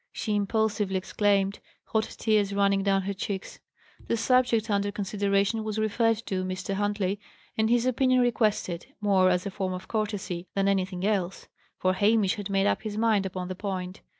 she impulsively exclaimed, hot tears running down her cheeks. The subject under consideration was referred to Mr. Huntley, and his opinion requested: more as a form of courtesy than anything else, for Hamish had made up his mind upon the point.